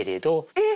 えっ！